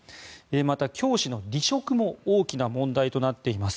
また、教師の離職も大きな問題となっています。